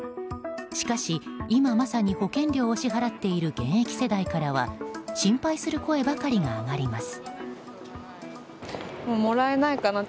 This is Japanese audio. しかし、今まさに保険料を支払っている現役世代からは心配する声ばかりが上がります。